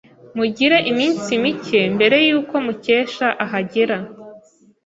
mugire iminsi mike mbere yuko Mukesha ahagera.